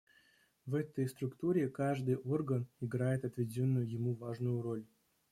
В этой структуре каждый орган играет отведенную ему важную роль.